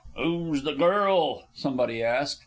"Who's the girl?" somebody asked.